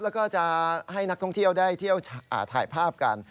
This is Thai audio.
แล้วก็จะให้นักท่องเที่ยวได้เที่ยวถ่ายภาพกัน